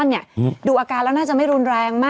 อังกฤษหญ้า